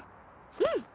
うん。